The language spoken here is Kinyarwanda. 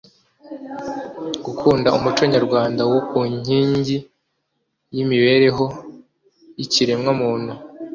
gukunda umuco nyarwanda wo nkingi y’imibereho y’ikiremwamuntu